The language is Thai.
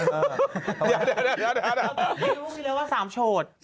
เดี๋ยวกลับมาไม่ได้เลยเค้าพูดเพียวไว้ว่า๓โฉด